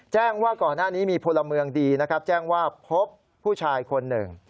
แจ้งว่าก่อนหน้านี้มีพลเมืองดีนะครับแจ้งว่าพบผู้ชายคนหนึ่ง